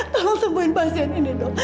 tolong sembuhin pasien ini dong